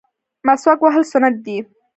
مسواک وهل سنت دي